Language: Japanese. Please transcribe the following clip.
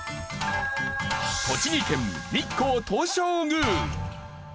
栃木県日光東照宮。